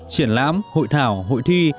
triển lãm hội thảo hội thi